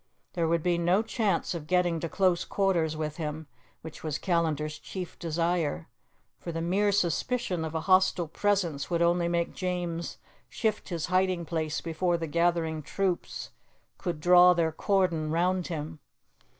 There would be no chance of getting to close quarters with him, which was Callandar's chief desire, for the mere suspicion of a hostile presence would only make James shift his hiding place before the gathering troops could draw their cordon round him.